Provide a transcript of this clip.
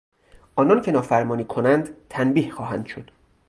آنانکه نافرمانی کنند تنبیه خواهند شد.